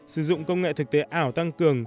sử dụng công nghệ thực tế ảo tăng cường